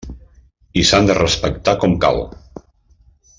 I s'han de respectar com cal.